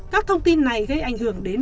các thông tin này gây ảnh hưởng đến